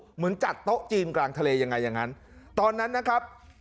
เหมือนจัดโต๊ะจีนกลางทะเลยังไงอย่างนั้นตอนนั้นนะครับ